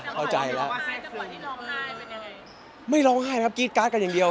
เข้าใจแล้ว